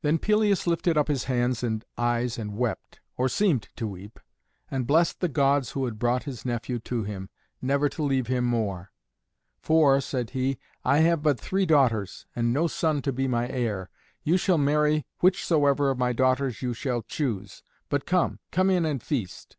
Then Pelias lifted up his hands and eyes and wept, or seemed to weep, and blessed the gods who had brought his nephew to him, never to leave him more. "For," said he, "I have but three daughters, and no son to be my heir. You shall marry whichsoever of my daughters you shall choose. But come, come in and feast."